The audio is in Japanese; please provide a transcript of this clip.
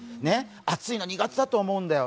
暑いの、苦手だと思うんだよ